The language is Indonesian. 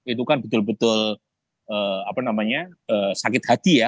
itu kan betul betul sakit hati ya